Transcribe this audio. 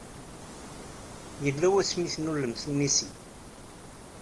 Yella wasmi ay tennulemt inisi?